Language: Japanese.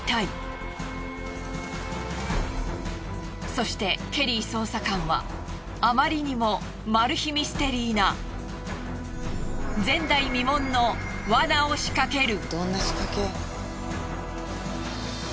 そしてケリー捜査官はあまりにもマル秘ミステリーな前代未聞の罠を仕掛ける。